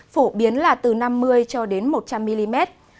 phổ biến là từ năm mươi cho đến một trăm linh mm